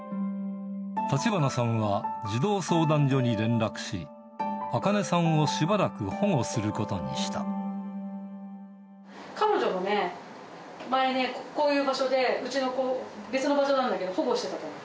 橘さんは児童相談所に連絡し、アカネさんをしばらく保護するこ彼女もね、前ね、こういう場所で、うちの別の場所なんだけど、保護してた子。